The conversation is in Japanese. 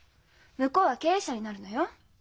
向こうは経営者になるのよ。